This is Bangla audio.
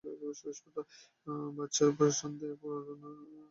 বার্সার ছন্দে ফেরার দিনে অবশ্য হারের তেতো স্বাদ নিয়েছে চিরপ্রতিদ্বন্দ্বী রিয়াল মাদ্রিদ।